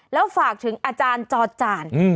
แล้วฝากถึงอาจารย์จอจาน